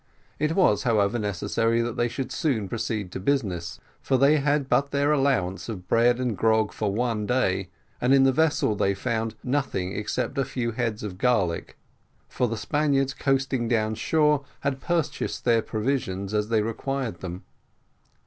It was, however, necessary that they should soon proceed to business, for they had but their allowance of bread and grog for one day, and in the vessel they found nothing except a few heads of garlic, for the Spaniards coasting down shore had purchased their provisions as they required them.